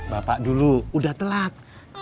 bapak dulu udah telat